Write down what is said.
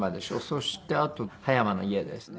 そしてあと葉山の家ですね。